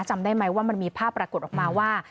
จำได้ไหมว่ามันมีภาพปรากฏออกมาว่า